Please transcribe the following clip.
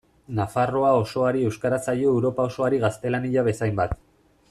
Nafarroa osoari euskara zaio Europa osoari gaztelania bezainbat.